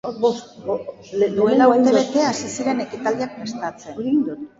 Duela urtebete hasi ziren ekitaldiak prestatzen.